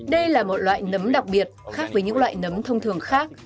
đây là một loại nấm đặc biệt khác với những loại nấm thông thường khác